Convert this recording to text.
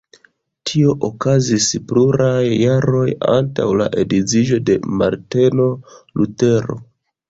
Tio okazis pluraj jaroj antaŭ la edziĝo de Marteno Lutero.